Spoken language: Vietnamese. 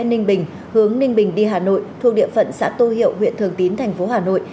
ninh bình hướng ninh bình đi hà nội thuộc địa phận xã tô hiệu huyện thường tín thành phố hà nội